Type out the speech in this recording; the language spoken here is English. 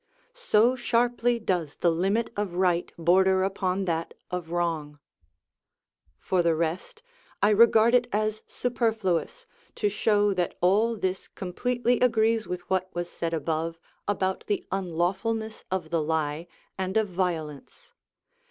So sharply does the limit of right border upon that of wrong. For the rest, I regard it as superfluous to show that all this completely agrees with what was said above about the unlawfulness of the lie and of violence.